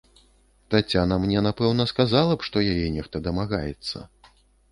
Таццяна мне, напэўна, сказала б, што яе нехта дамагаецца.